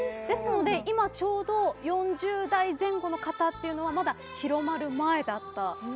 ですので今ちょうど４０代前後の方っていうのはまだ広まる前だった。